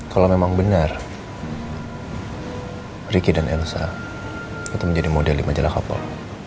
kalau memang benar riki dan elsa itu menjadi model di majalah kapal